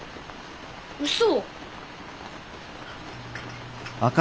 うそ！